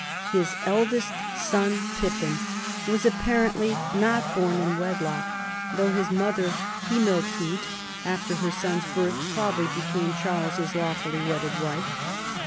His eldest son Pippin was ap parently not born in wedlock, though his mother Himiltrud, after her son's birth, probably became Charles's lawfully wedded wife.